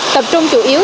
tập trung chủ yếu